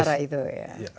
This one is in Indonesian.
antara itu ya